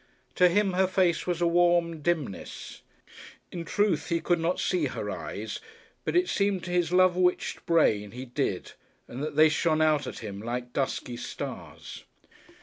To him her face was a warm dimness. In truth, he could not see her eyes, but it seemed to his love witched brain he did and that they shone out at him like dusky stars.